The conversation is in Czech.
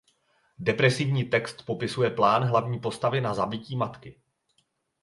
Depresivní text popisuje plán hlavní postavy na zabití matky.